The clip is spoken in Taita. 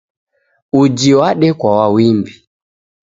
Uji wadekwa wa wimbi